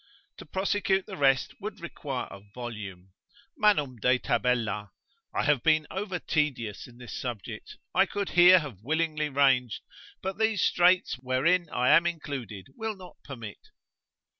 To prosecute the rest would require a volume. Manum de tabella, I have been over tedious in this subject; I could have here willingly ranged, but these straits wherein I am included will not permit.